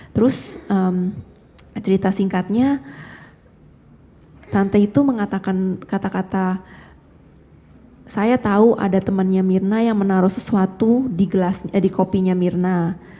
terus cerita singkatnya tante itu mengatakan kata kata saya tahu ada temannya mirna yang menaruh sesuatu di kopinya mirna